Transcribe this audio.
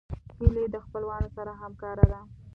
هیلۍ د خپلوانو سره همکاره ده